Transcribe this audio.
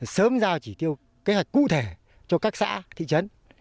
sớm giao chỉ tiêu kế hoạch cụ thể cho các xã thị trấn